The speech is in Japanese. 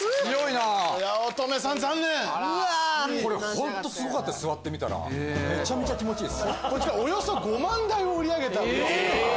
本当すごかった座ってみたらめちゃめちゃ気持ちいいい。